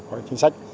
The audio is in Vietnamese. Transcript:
có chính sách